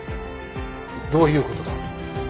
どういうことだ？